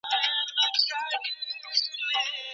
نجوني د بديو په بدل کې ورکول کيږي.